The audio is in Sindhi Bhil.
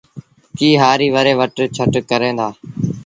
ڪي هآريٚ وري وٽ ڇٽ ڪريݩ دآ